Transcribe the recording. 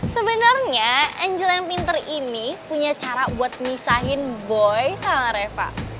sebenarnya angel yang pinter ini punya cara buat misahin boy sama reva